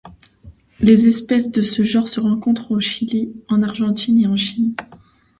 Les espèces de ce genre se rencontrent au Chili, en Argentine et en Chine.